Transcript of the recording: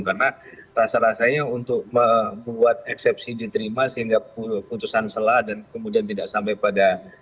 karena rasa rasanya untuk membuat eksepsi diterima sehingga putusan salah dan kemudian tidak sampai pada